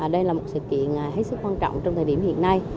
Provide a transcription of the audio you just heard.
đây là một sự kiện hết sức quan trọng trong thời điểm hiện nay